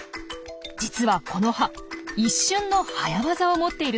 実はこの葉一瞬の早ワザを持っているそう。